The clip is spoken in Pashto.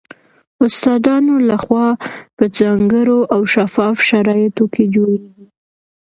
استادانو له خوا په ځانګړو او شفاف شرایطو کې جوړیږي